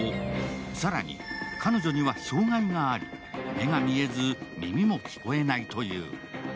更に、彼女には障害があり目が見えず、耳も聞こえないという。